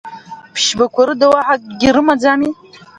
Ԥшьбақәа рыда уаҳа акгьы рымаӡами?